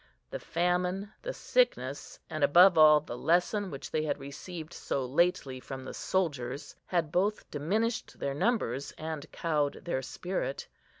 The famine, the sickness, and, above all, the lesson which they had received so lately from the soldiers, had both diminished their numbers and cowed their spirit.